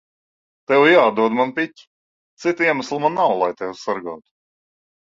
Tev jāatdod man piķi. Cita iemesla man nav, lai tevi sargātu.